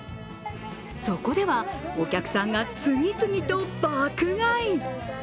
そこではお客さんが次々と爆買い。